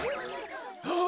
あっ！